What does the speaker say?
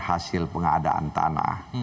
hasil pengadaan tanah